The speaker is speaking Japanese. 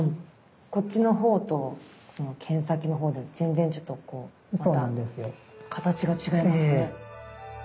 こっちのほうと剣先のほうで全然ちょっとこうまた形が違いますね。